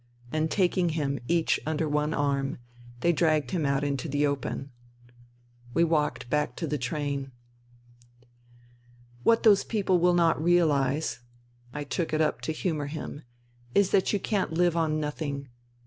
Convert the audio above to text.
And taking him each under one arm, they dragged him out into the open. We walked back to the train. " What those people will not reahze," I took it up to humour him, " is that you can't live on nothing.